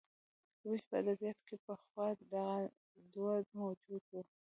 زموږ په ادبیاتو کې پخوا دغه دود موجود و.